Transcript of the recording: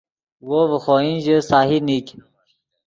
وو ڤے خوئن ژے سہی نیگ